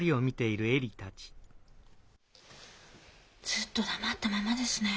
ずっと黙ったままですね。